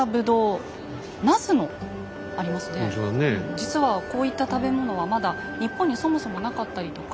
実はこういった食べ物はまだ日本にそもそもなかったりとか。